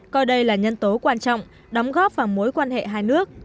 coi đây là nhân tố quan trọng đóng góp vào mối quan hệ hai nước